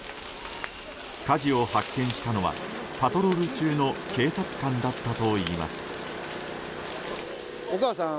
火事を発見したのはパトロール中の警察官だったといいます。